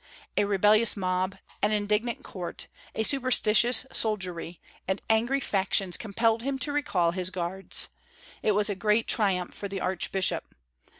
A rebellious mob, an indignant court, a superstitious soldiery, and angry factions compelled him to recall his guards. It was a great triumph for the archbishop.